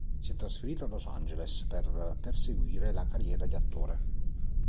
Si è trasferito a Los Angeles per perseguire la carriera di attore.